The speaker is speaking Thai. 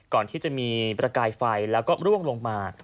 ก่อนที่จะมีประกายไฟแล้วก็ร่วงลงมา